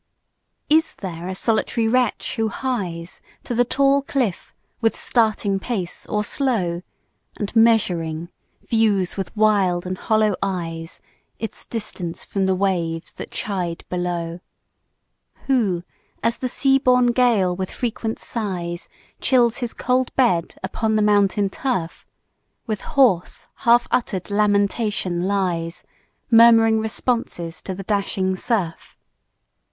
IS there a solitary wretch who hies To the tall cliff, with starting pace or slow, And, measuring, views with wild and hollow eyes Its distance from the waves that chide below; Who, as the sea born gale with frequent sighs Chills his cold bed upon the mountain turf, With hoarse, half utter'd lamentation, lies Murmuring responses to the dashing surf?